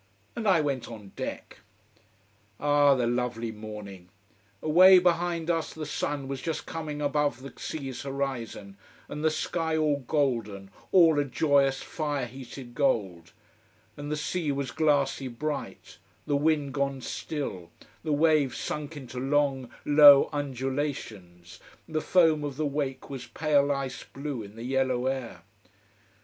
And I went on deck. Ah the lovely morning! Away behind us the sun was just coming above the sea's horizon, and the sky all golden, all a joyous, fire heated gold, and the sea was glassy bright, the wind gone still, the waves sunk into long, low undulations, the foam of the wake was pale ice blue in the yellow air.